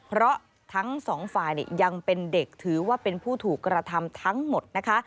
เพราะทั้งสองฝ่ายยังเป็นเด็กถือว่าเป็นผู้ถูกกระทำทั้งหมดนะคะ